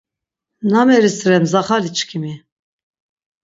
Nameris re mzaxaliçkimi?